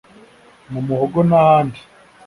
mu muhogo n’ahandi